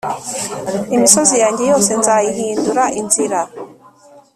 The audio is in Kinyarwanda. Imisozi yanjye yose nzayihindura inzira